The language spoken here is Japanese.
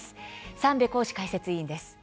三瓶宏志解説委員です。